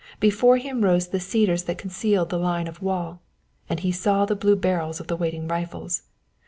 Before him rose the cedars that concealed the line of wall; and he saw the blue barrels of the waiting rifles.